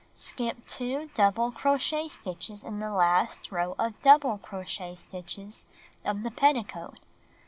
Skip 2 double crochet stitches in the last row of dou ble crochet stitches of the pet ticoat.